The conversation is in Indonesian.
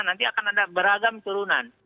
nanti akan ada beragam turunan